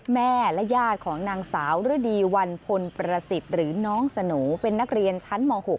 แม่และญาติของนางสาวฤดีวันพลประสิทธิ์หรือน้องสโหน่เป็นนักเรียนชั้นม๖